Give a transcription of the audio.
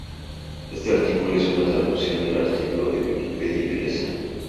Este artículo es una traducción del artículo de la Wikipedia inglesa